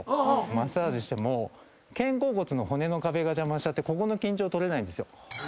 マッサージしても肩甲骨の骨の壁が邪魔しちゃってここの緊張取れないんですよ。